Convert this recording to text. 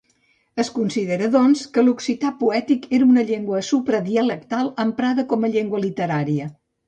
Es considera, doncs, que l'occità poètic era una llengua supradialectal emprada com a llengua literària.